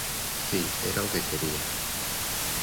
Si, era o que quería.